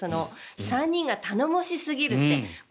３人が頼もしすぎるって。